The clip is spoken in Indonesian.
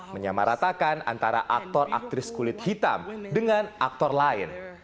menyamaratakan antara aktor aktris kulit hitam dengan aktor lain